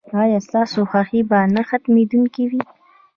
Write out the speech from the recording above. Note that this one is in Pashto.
ایا ستاسو خوښي به نه ختمیدونکې وي؟